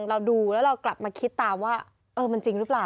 เราดูแล้วเรากลับมาคิดตามว่ามันจริงหรือเปล่า